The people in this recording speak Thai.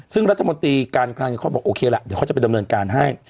ซึ่งรัฐมนตรีการคลังเขาบอกโอเคละเดี๋ยวเขาจะไปดำเนินการให้